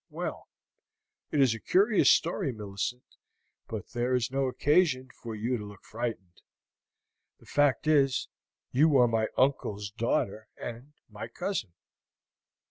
Well, it is a curious story, Millicent. But there is no occasion for you to look frightened. The fact is you are my uncle's daughter and my cousin."